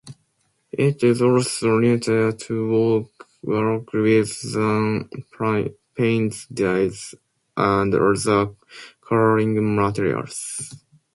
It is also neater to work with than paints, dyes, and other coloring materials.